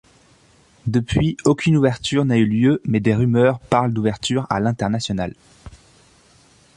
Depuis aucune ouverture n'a eu lieu mais des rumeurs parlent d'ouverture à l'international.